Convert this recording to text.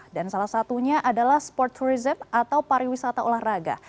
dan salah satunya adalah sport tourism atau pariwisata olahraga